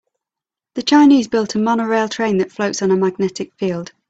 The Chinese built a monorail train that floats on a magnetic field.